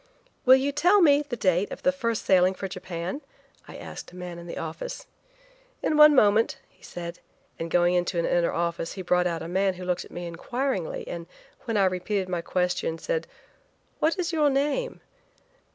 "Will you tell me the date of the first sailing for Japan?" I asked a man in the office. "In one moment," he said, and going into an inner office he brought out a man who looked at me inquiringly, and when I repeated my question, said: "What is your name?"